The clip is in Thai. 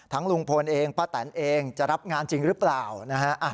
ลุงพลเองป้าแตนเองจะรับงานจริงหรือเปล่านะฮะ